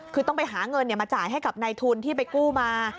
คือต้องไปหาเงินมาจ่ายให้กับในทุนที่ไปกู้มา